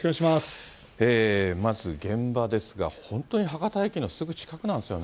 まず現場ですが、本当に博多駅のすぐ近くなんですよね。